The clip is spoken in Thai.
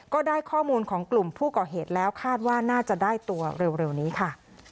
ก็ได้ข้อมูลของกลุ่มผู้ก่อเหตุแล้วคาดว่าน่าจะได้ตัวเร็วนี้ค่ะ